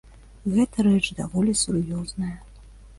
Гэта рэч даволі сур'ёзная.